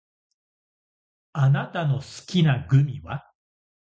あなたの好きなグミは？